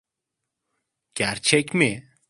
Gerçek mi?